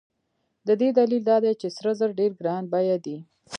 د دې دلیل دا دی چې سره زر ډېر ګران بیه دي.